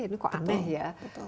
ini kok aneh ya